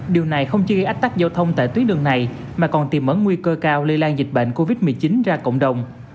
điều này không chỉ gây ách tắc giao thông tại tuyến đường này mà còn tìm ẩn nguy cơ cao lây lan dịch bệnh covid một mươi chín ra cộng đồng